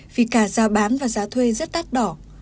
vì cả giá bán và giá thuê rất tắt đỏ